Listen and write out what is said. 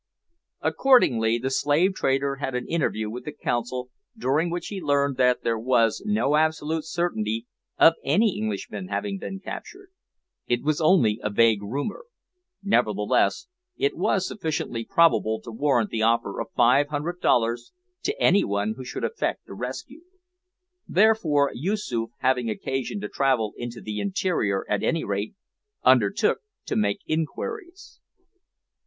Accordingly, the slave dealer had an interview with the consul, during which he learned that there was no absolute certainty of any Englishmen having been captured. It was only a vague rumour; nevertheless it was sufficiently probable to warrant the offer of five hundred dollars to any one who should effect a rescue; therefore Yoosoof, having occasion to travel into the interior at any rate, undertook to make inquiries.